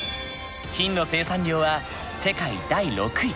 金の生産量は世界第６位。